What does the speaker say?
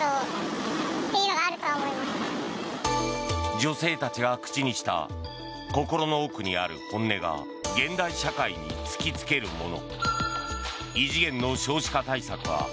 女性たちが口にした心の奥にある本音が現代社会に突きつけるもの。